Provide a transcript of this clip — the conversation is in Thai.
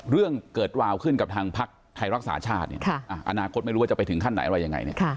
เรื่องเกิดราวขึ้นกับทางพักไทยรักษาชาติอนาคตไม่รู้ว่าจะไปถึงขั้นไหนอะไรยังไง